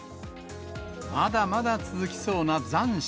まだまだ続きそうな残暑。